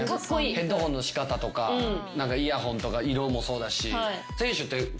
ヘッドホンの仕方とかイヤホンとか色もそうだし。